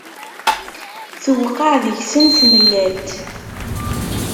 Tewqeɛ deg-sen tmellalt.